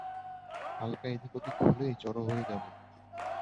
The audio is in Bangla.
হালকা এদিক ওদিক হলেই জড়ো হয়ে যাবে।